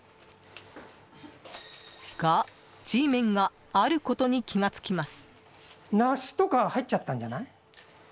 が、Ｇメンがあることに気がつきます。